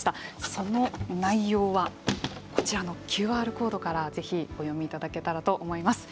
その内容はこちらのＱＲコードからぜひお読みいただけたらと思います。